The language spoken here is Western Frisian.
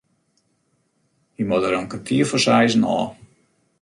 Hy moat der om kertier foar seizen ôf.